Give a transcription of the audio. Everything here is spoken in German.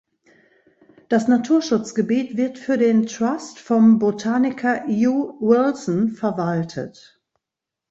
Das Naturschutzgebiet wird für den Trust vom Botaniker Hugh Wilson verwaltet.